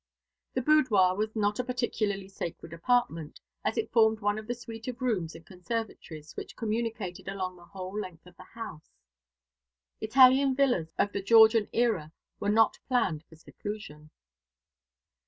The boudoir was not a particularly sacred apartment, as it formed one in the suite of rooms and conservatories which communicated along the whole length of the house. Italian villas of the Georgian era were not planned for seclusion.